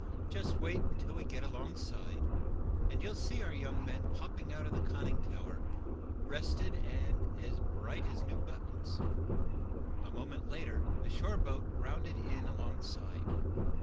"Just wait until we get alongside, and you'll see your young men popping out of the conning tower, rested and as bright as new buttons." A moment later the shore boat rounded in alongside.